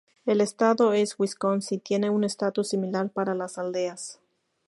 El estado de Wisconsin tiene un estatus similar para las aldeas.